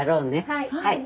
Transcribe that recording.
はい。